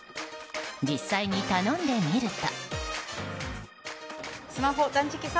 実際に頼んでみると。